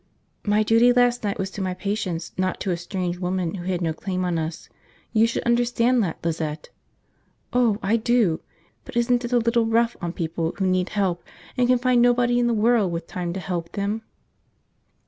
"My duty last night was to my patients, not to a strange woman who had no claim on us. You should understand that, Lizette." "Oh, I do! But isn't it a little rough on people who need help and can find nobody in the world with time to help them?"